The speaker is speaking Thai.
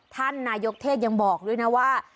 ท่านนายกเทศยังบอกด้วยนะว่า